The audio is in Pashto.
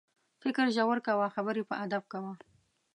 فکر ژور کوه، خبرې په ادب کوه.